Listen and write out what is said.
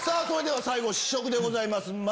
それでは最後試食でございます